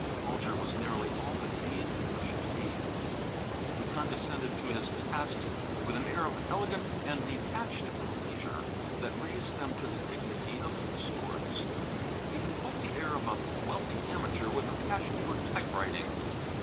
Bulger was nearly all that Bean wished to be. He condescended to his tasks with an air of elegant and detached leisure that raised them to the dignity of sports. He had quite the air of a wealthy amateur with a passion for typewriting.